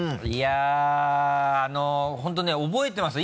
本当ね覚えてますよ